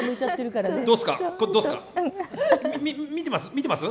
み見てます？